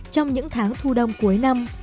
trong những tháng thu đông cuối năm